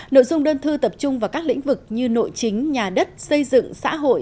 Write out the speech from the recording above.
nội dung đơn thư tập trung vào các lĩnh vực như nội chính nhà đất xây dựng xã hội